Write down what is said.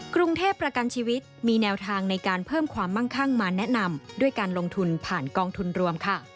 กรุงเทพประกันชีวิตมีแนวทางในการเพิ่มความมั่งคั่งมาแนะนำด้วยการลงทุนผ่านกองทุนรวมค่ะ